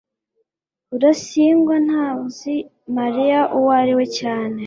rudasingwa ntazi mariya uwo ari we cyane